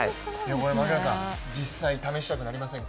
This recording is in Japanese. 槙原さん、実際、試したくなりませんか？